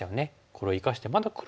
これを生かしてまだ黒